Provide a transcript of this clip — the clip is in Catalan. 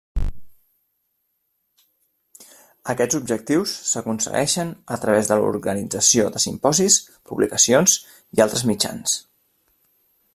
Aquests objectius s'aconsegueixen a través de l'organització de simposis, publicacions i altres mitjans.